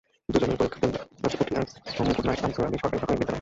দুজনের পরীক্ষার কেন্দ্র পড়েছে পটিয়ার মুকুটনাইট আনছুর আলী সরকারি প্রাথমিক বিদ্যালয়ে।